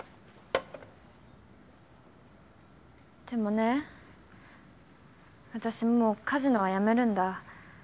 でもね私もうカジノは辞めるんだ。